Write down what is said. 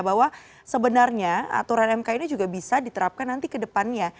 bahwa sebenarnya aturan mk ini juga bisa diterapkan nanti ke depannya